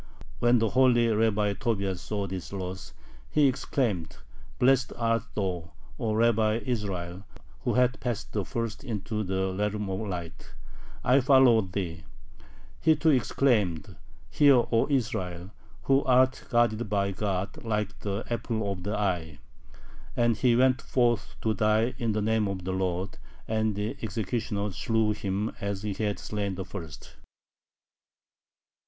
When the holy Rabbi Tobias saw this loss, he exclaimed: "Blessed art thou, O Rabbi Israel, who hast passed first into the Realm of Light. I follow thee." He too exclaimed: "Hear, O Israel, who art guarded [by God] like the apple of the eye." And he went forth to die in the name of the Lord, and [the executioner] slew him as he had slain the first.